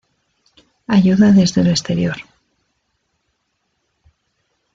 Ayuda desde el exterior.